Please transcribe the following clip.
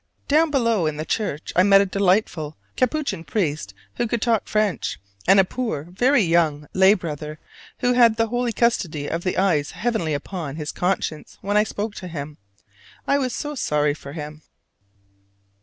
Down below in the church I met a delightful Capuchin priest who could talk French, and a poor, very young lay brother who had the holy custody of the eyes heavily upon his conscience when I spoke to him. I was so sorry for him!